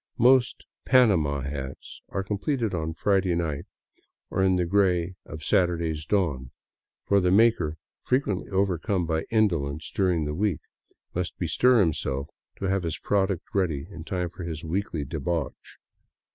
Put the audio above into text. Most " panama " hats are com pleted on Friday night or in the gray of Saturday's dawn; for the maker, frequently overcome by indolence during the week, must bestir himself to have his product ready in time for his weekly debauch.